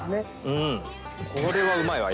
これはうまいわ。